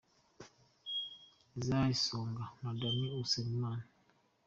Isae Songa na Danny Usengimana.